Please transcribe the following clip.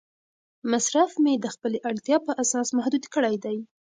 مصرف مې د خپلې اړتیا په اساس محدود کړی دی.